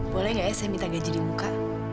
boleh gak ya saya minta gaji di muka